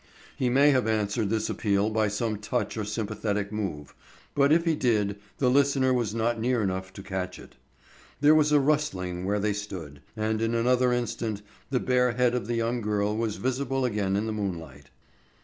He may have answered this appeal by some touch or sympathetic move, but if he did, the listener was not near enough to catch it. There was a rustling where they stood and in another instant the bare head of the young girl was visible again in the moonlight.